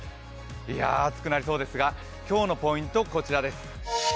いやぁ、暑くなりそうですが、今日のポイント、こちらです。